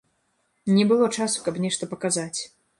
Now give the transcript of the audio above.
Не было часу, каб нешта паказаць.